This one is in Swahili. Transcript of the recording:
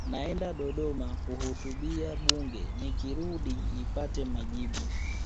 naenda dodoma kuhutubia bunge nikirudi nipate majibu